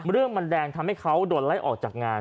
เรื่องมันแดงทำให้เขาโดนไล่ออกจากงาน